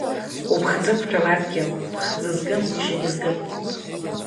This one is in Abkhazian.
Уԥхӡы ықәҭәала адгьыл, ԥхӡы згым шьагьы згым.